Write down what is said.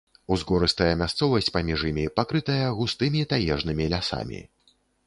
Узгорыстая мясцовасць паміж імі пакрытая густымі таежнымі лясамі.